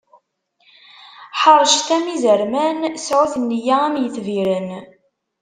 Ḥeṛcet am izerman, sɛut nneyya am yetbiren.